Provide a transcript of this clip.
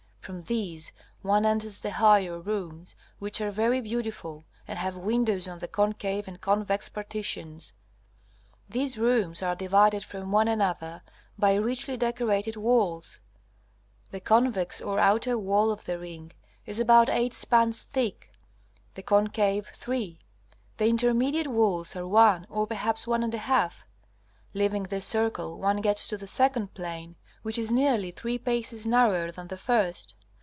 From these one enters the higher rooms, which are very beautiful, and have windows on the concave and convex partitions. These rooms are divided from one another by richly decorated walls. The convex or outer wall of the ring is about eight spans thick; the concave, three; the intermediate walls are one, or perhaps one and a half. Leaving this circle one gets to the second plain, which is nearly three paces narrower than the first.